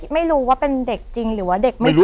ไม่รู้ว่าเป็นเด็กจริงหรือว่าเด็กไม่จริง